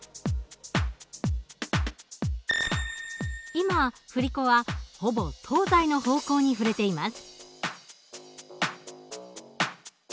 今振り子はほぼ東西の方向に振れています。